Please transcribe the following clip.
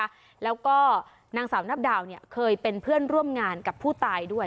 แล้วก็นางสาวนับดาวเนี่ยเคยเป็นเพื่อนร่วมงานกับผู้ตายด้วย